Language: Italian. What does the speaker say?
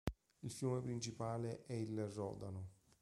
Il fiume principale è il Rodano.